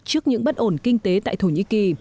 trước những bất ổn kinh tế tại thổ nhĩ kỳ